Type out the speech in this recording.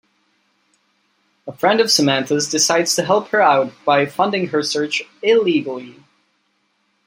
A friend of Samantha's decides to help her out by funding her search illegally.